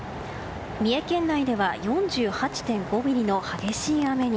三重県内では４８．５ミリの激しい雨に。